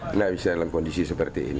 tidak bisa dalam kondisi seperti ini